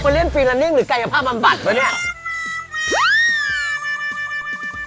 เขาเล่นฟีลานิ่งหรือกายภาพบำบัดปะเนี่ย